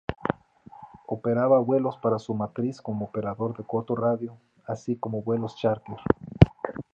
Operaba vuelos para su matriz como operador de corto radio, así como vuelos chárter.